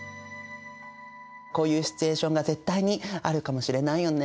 こういうシチュエーションが絶対にあるかもしれないよね。